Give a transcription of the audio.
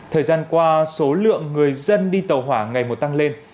thời gian qua số lượng người dân đi tàu hỏa ngày một tăng lên